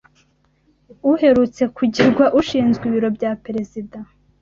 uherutse kugirwa ushinzwe ibiro bya Perezida